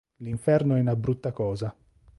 L'inferno è una brutta cosa.